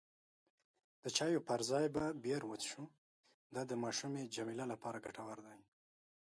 د چایو پر ځای به بیر وڅښو، دا د ماشومې جميله لپاره ګټور دی.